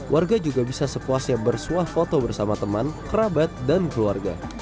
warga juga bisa sepuasnya bersuah foto bersama teman kerabat dan keluarga